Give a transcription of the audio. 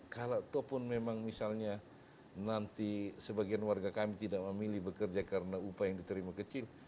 kalau itu pun memang misalnya nanti sebagian warga kami tidak memilih bekerja karena upaya yang diterima kecil